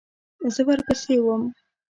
زه ورپسې وم .